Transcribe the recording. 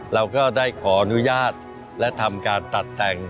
เราก็ได้ขออนุญาตและทำการตัดแต่ง